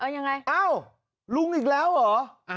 ยังไงอ้าวลุงอีกแล้วเหรอ